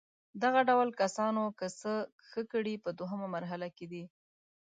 دغه ډول کسانو که څه ښه کړي په دوهمه مرحله کې دي.